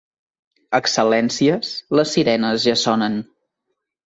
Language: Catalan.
Excel·lències, les sirenes ja sonen.